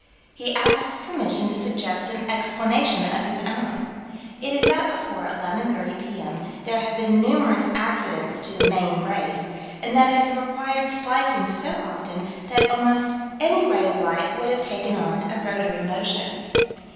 '" He asks permission to suggest an explanation of his own. It is that before 11:30 P.M. there had been numerous accidents to the "main brace," and that it had required splicing so often that almost any ray of light would have taken on a rotary motion.